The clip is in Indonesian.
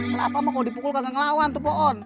kelapa mah kalau dipukul kagak ngelawan tuh pohon